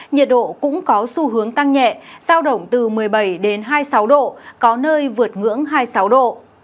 nhiệt độ cũng có xu hướng tăng nhẹ giao động từ một mươi bảy đến hai mươi sáu độ có nơi vượt ngưỡng hai mươi sáu độ